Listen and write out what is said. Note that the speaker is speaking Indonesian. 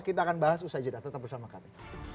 kita akan bahas usai jeda tetap bersama kami